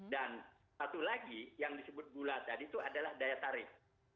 dan satu lagi yang disebut gula tadi tuh adalah daya tarik